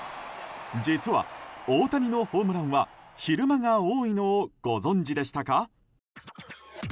実は大谷のホームランは昼間が多いのをご存じでしたか？